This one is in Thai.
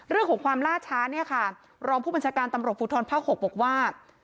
เรื่องของความล่าช้าเนี่ยค่ะรองผู้บัญชาการตำรวจภูทรภาค๖บอกว่า